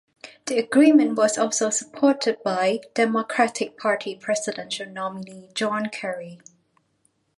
The agreement was also supported by Democratic Party Presidential nominee John Kerry.